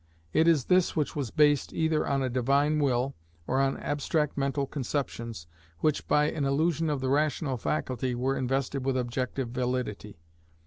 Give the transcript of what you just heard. It is this which was based, either on a divine will, or on abstract mental conceptions, which, by an illusion of the rational faculty, were invested with objective validity.